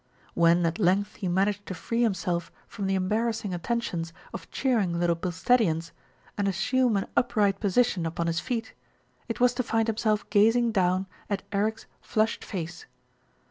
When at length he managed to free himself from the embarrassing attentions of cheering Little Bil steadians, and assume an upright position upon his feet, it was to find himself gazing down at Eric's flushed face.